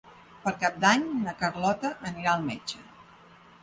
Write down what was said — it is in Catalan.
Per Cap d'Any na Carlota anirà al metge.